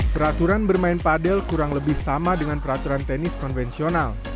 peraturan bermain padel kurang lebih sama dengan peraturan tenis konvensional